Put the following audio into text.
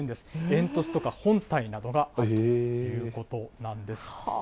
煙突とか本体などがあるということなんです。